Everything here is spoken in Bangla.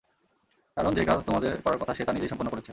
কারণ যে কাজ তোমাদের করার কথা সে তা নিজেই সম্পন্ন করেছে।